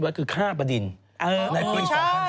ก็คือฆ่าประดินในปี๒๕๖๐